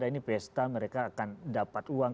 ini pesta mereka akan dapat uang